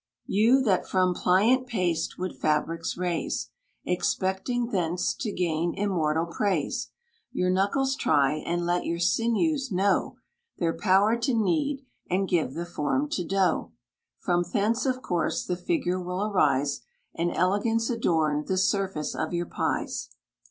You that from pliant paste would fabrics raise, Expecting thence to gain immortal praise, Your knuckles try, and let your sinews know Their power to knead, and give the form to dough; From thence of course the figure will arise, And elegance adorn the surface of your pies.